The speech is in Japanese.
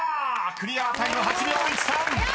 クリアタイム８秒１３］